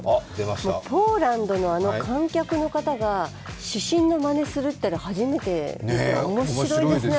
もうポーランドのあの観客の方が主審のまねをするというのは初めて見ましたが、面白いですね。